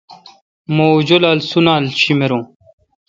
مہ اوں جولال سُونالا شیمروں۔